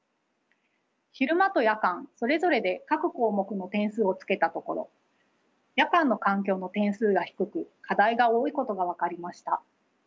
昼間と夜間それぞれで各項目の点数をつけたところ夜間の環境の点数が低く課題が多いことが分かりました。